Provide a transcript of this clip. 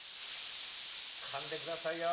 かんでくださいよ。